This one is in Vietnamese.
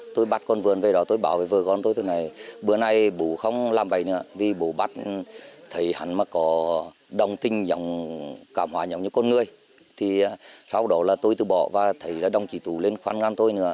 tôi bắt con vườn về đó tôi bảo với vợ con tôi là bữa nay bố không làm bẫy nữa vì bố bắt thấy hắn mà có đồng tinh giống cảm hóa giống như con người thì sau đó là tôi tự bỏ và thấy là đồng chỉ tù lên khoan ngăn tôi nữa